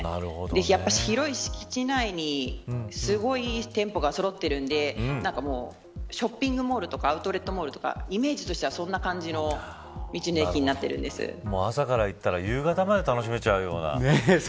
広い敷地内にすごい店舗がそろっているんでショッピングモールとかアウトレットモールとかイメージとしてはそんな感じの朝から行ったら夕方まで楽しめちゃうような。